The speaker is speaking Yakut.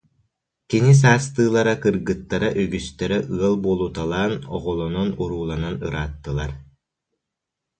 Кини саастыылара кыргыттара үгүстэрэ ыал буолуталаан, оҕолонон-урууланан ырааттылар